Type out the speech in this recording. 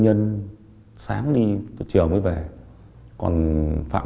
dạ vâng đúng ạ